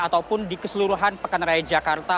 ataupun di keseluruhan pekanerai jakarta